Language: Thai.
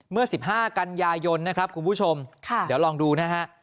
เมื่อ๑๕กันยายนนะครับคุณผู้ชมเดี๋ยวลองดูนะฮะ